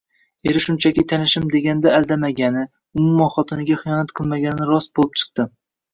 Eri shunchaki tanishim deganda aldamagani, umuman xotiniga xiyonat qilmagani rost bo`lib chiqdi